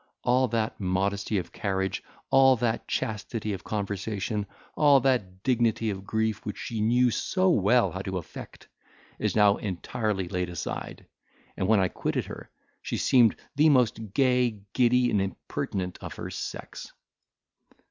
All that modesty of carriage, all that chastity of conversation, all that dignity of grief, which she knew so well how to affect, is now entirely laid aside, and, when I quitted her, she seemed the most gay, giddy, and impertinent of her sex."